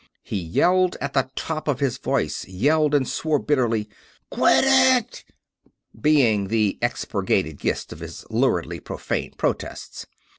He yelled at the top of his voice; yelled and swore bitterly: "QUIT IT!" being the expurgated gist of his luridly profane protests.